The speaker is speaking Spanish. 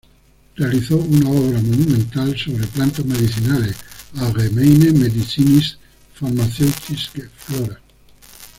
Realizó una obra monumental sobre plantas medicinales: Allgemeine medizinisch-pharmazeutische Flora...